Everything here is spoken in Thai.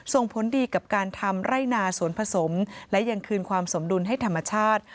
ส่งผลดีกับการทำไร่นาสวนผสมและยังคืนความสมดุลให้ธรรมชาติ